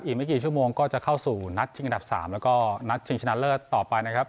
อีกไม่กี่ชั่วโมงก็จะเข้าสู่นัดชิงอันดับ๓แล้วก็นัดชิงชนะเลิศต่อไปนะครับ